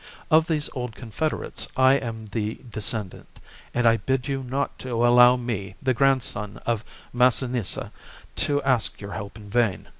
Of these old confederates I am the descendant, and I bid you not to allow me, the grandson of Massinissa, to ask your help in vain.